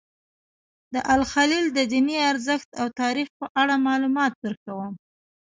د الخلیل د دیني ارزښت او تاریخ په اړه معلومات درکوم.